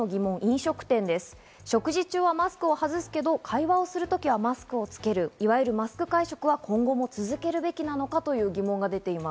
食事中はマスクを外すけど会話をする時はマスクをつける、いわゆるマスク会食は今後も続けるべきなのかという疑問が出ています。